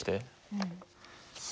うん。